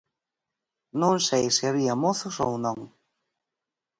Non sei se había mozos ou non.